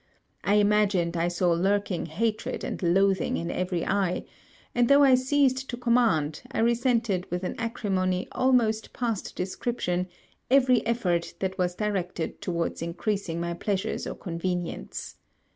I imagined I saw lurking hatred and loathing in every eye; and, though I ceased to command, I resented with an acrimony almost past description every effort that was directed towards increasing my pleasures or convenience.